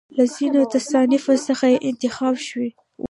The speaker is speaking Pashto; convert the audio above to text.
له ځینو تصانیفو څخه یې انتخاب شوی.